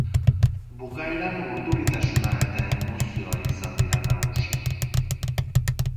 Bukaeran urduritasuna eta emozioa izan dira nagusi.